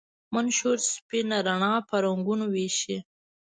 منشور سپینه رڼا په رنګونو ویشي.